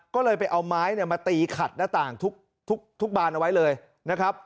ก็เลยไปเอาไม้มาตีขัดหน้าต่างทุกบานเอาไว้เลยนะครับ